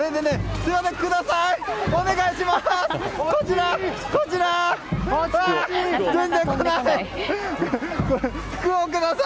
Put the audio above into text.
すみません、ください！